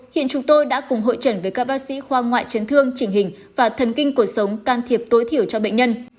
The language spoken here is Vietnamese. hiện chúng tôi đã cùng hội trần với các bác sĩ khoa ngoại chấn thương chỉnh hình và thần kinh của sống can thiệp tối thiểu cho bệnh nhân